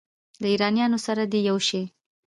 له ایرانیانو سره دې یو شي.